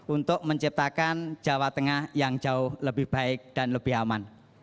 untuk menciptakan jawa tengah yang jauh lebih baik dan lebih aman